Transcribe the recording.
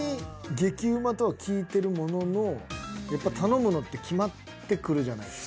激うまとは聞いてるもののやっぱ頼むのって決まってくるじゃないですか。